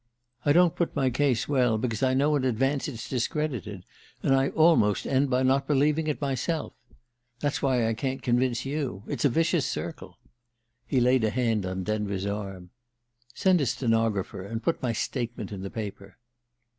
I don't put my case well, because I know in advance it's discredited, and I almost end by not believing it myself. That's why I can't convince you. It's a vicious circle." He laid a hand on Denver's arm. "Send a stenographer, and put my statement in the paper."